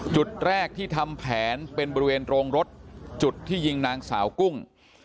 จุดแรกที่ทำแผนเป็นบริเวณโรงรถจุดที่ยิงนางสาวกุ้ง